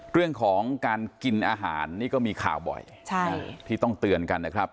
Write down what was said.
เรื่องของการกินอาหารนี่ก็มีข่าวบ่อยที่ต้องเตือนกันนะครับ